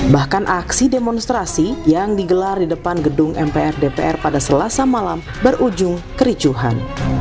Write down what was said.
bahkan aksi demonstrasi yang digelar di depan gedung mpr dpr pada selasa malam berujung kericuhan